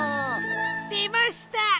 でました！